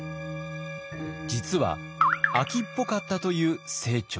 実は飽きっぽかったという清張。